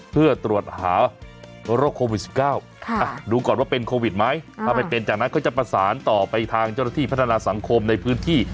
เพื่อตรวจหาโรคโควิด๑๙ดูก่อนว่าเป็นโควิดไหมถ้าไม่เป็นจากนั้นเขาจะประสานต่อไปทางเจ้าหน้าที่พัฒนาสังคมในพื้นที่